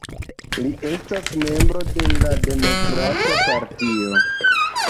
Li estas membro de la Demokrata Partio.